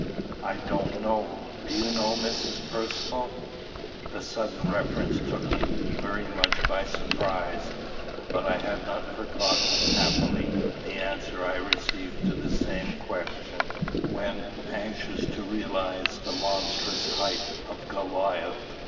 "I don't know. Do you know, Mrs. Percivale?" The sudden reference took me very much by surprise; but I had not forgotten, happily, the answer I received to the same question, when anxious to realize the monstrous height of Goliath.